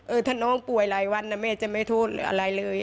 ถ้าน้องป่วยหลายวันนะแม่จะไม่โทษอะไรเลย